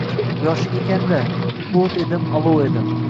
Yoshlik ekan-da, o‘t edim, olov edim